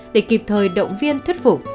để kịp thời động viên thuyết phục